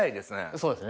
そうですね。